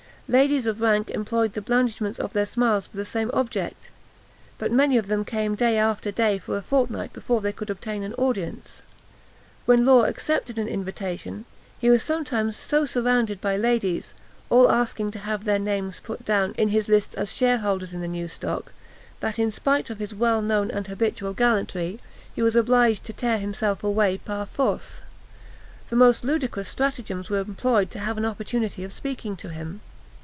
Ladies of rank employed the blandishments of their smiles for the same object; but many of them came day after day for a fortnight before they could obtain an audience. When Law accepted an invitation, he was sometimes so surrounded by ladies, all asking to have their names put down in his lists as shareholders in the new stock, that, in spite of his well known and habitual gallantry, he was obliged to tear himself away par force. The most ludicrous stratagems were employed to have an opportunity of speaking to him.